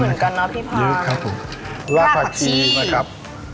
แล้วก็กระเทียมแล้วก็กระเทียมนะครับ